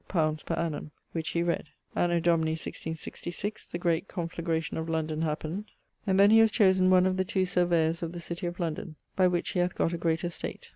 pounds per annum, which he read. Anno Domini 166<6> the great conflagration of London happened, and then he was chosen one of the two surveyors[CXXXII.] of the citie of London; by which he hath gott a great estate.